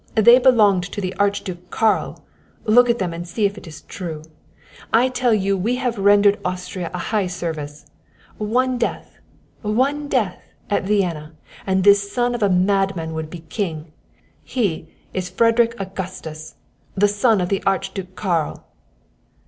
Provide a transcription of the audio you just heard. They belonged to the Archduke Karl. Look at them and see that it is true! I tell you we have rendered Austria a high service. One death one death at Vienna and this son of a madman would be king! He is Frederick Augustus, the son of the Archduke Karl!"